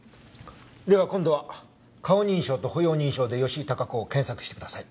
では今度は顔認証と歩容認証で吉井孝子を検索してください。